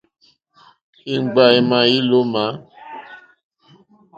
Íŋɡbâ émá ílómǎ.